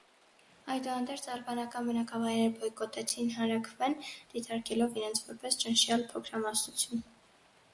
Այդուհանդերձ ալբանական բնակավայրերը բոյկոտեցին հանրաքվեն, դիտարկելով իրենց որպես ճնշյալ փոքրամասնություն։